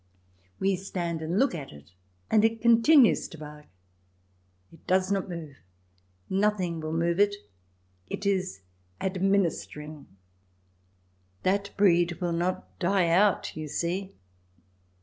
We stand and look at it, and it continues to bark. It does not move ; nothing will move it. It is ad ministering. That breed will not die out, you see.